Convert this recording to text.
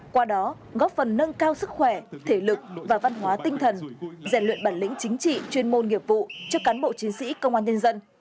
qua đó góp phần nâng cao sức khỏe thể lực và văn hóa tinh thần rèn luyện bản lĩnh chính trị chuyên môn nghiệp vụ cho cán bộ chiến sĩ công an nhân dân